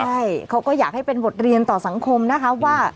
ใช่เขาก็อยากให้เป็นบทเรียนต่อสังคมนะคะว่า